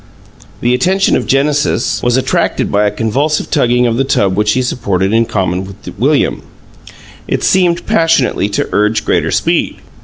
The attention of Genesis was attracted by a convulsive tugging of the tub which he supported in common with William; it seemed passionately to urge greater speed.